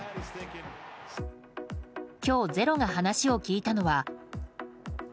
今日、「ｚｅｒｏ」が話を聞いたのは。